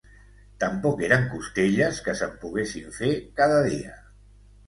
Tampoc eren costelles que se'n poguessin fer cada dia